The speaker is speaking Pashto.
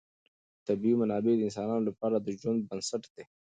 طبیعي منابع د انسانانو لپاره د ژوند بنسټ دی.